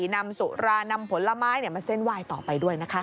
นำสุรานำผลไม้มาเส้นไหว้ต่อไปด้วยนะคะ